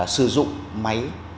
sử dụng máy